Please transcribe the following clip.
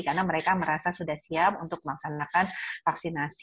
karena mereka merasa sudah siap untuk memaksanakan vaksinasi